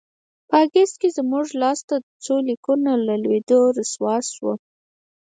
په اګست کې زموږ لاسته د څو لیکونو له لوېدلو رسوا شوه.